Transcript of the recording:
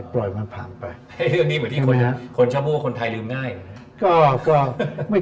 เวทมีรูปปู่แบ่งอย่างน้ำ